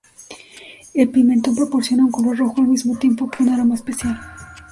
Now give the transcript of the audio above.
El pimentón proporciona un color rojo al mismo tiempo que un aroma especial.